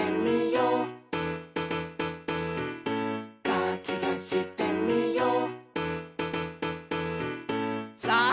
「かきたしてみよう」さあ！